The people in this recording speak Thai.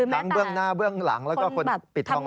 ทั้งเบื้องหน้าเบื้องหลังแล้วก็คนปิดทองหลังค่ะ